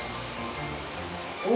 お！